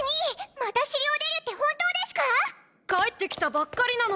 また城を出るって本当でしゅか⁉帰ってきたばっかりなのに！